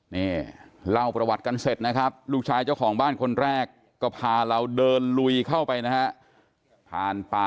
นี่เล่าประวัติกันเสร็จนะครับลูกชายเจ้าของบ้านคนแรกก็พาเราเดินลุยเข้าไปนะฮะ